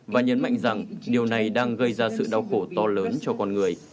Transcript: và nhấn mạnh rằng điều này đang gây ra sự đau khổ to lớn cho con người